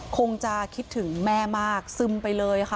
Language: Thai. คงจะคิดถึงแม่มากซึมไปเลยค่ะ